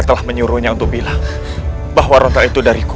telah menyuruhnya untuk bilang bahwa ronta itu dari ku